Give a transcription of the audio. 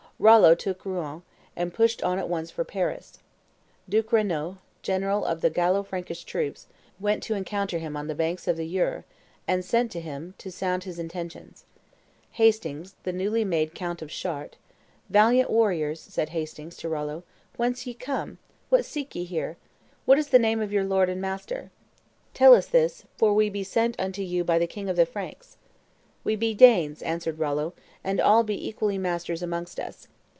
Rollo took Rouen, and pushed on at once for Paris. Duke Renaud, general of the Gallo Frankish troops, went to encounter him on the banks of the Eure, and sent to him, to sound his intentions, Hastings, the newly made count of Chartres. "Valiant warriors," said Hastings to Rollo, "whence come ye? What seek ye here? What is the name of your lord and master? Tell us this; for we be sent unto you by the king of the Franks." "We be Danes," answered Rollo, "and all be equally masters amongst us.